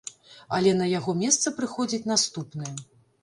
Але на яго месца прыходзіць наступны.